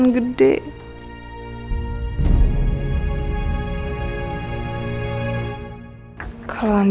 ini ada baju ini